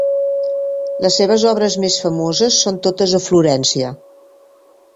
Les seves obres més famoses són totes a Florència.